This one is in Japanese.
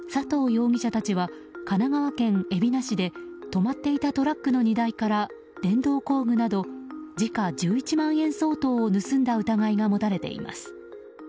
容疑者たちは神奈川県海老名市で止まっていたトラックの荷台から電動工具など時価１１万円相当を盗んが疑いが持たれています。